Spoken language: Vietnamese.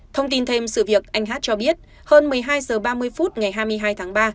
thông tin thêm sự việc anh hát cho biết hơn một mươi hai h ba mươi phút ngày hai mươi hai tháng ba